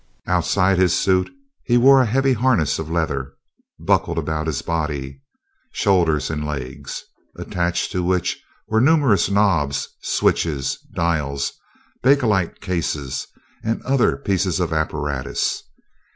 Outside this suit he wore a heavy harness of leather, buckled about his body, shoulders, and legs, attached to which were numerous knobs, switches, dials, bakelite cases, and other pieces of apparatus.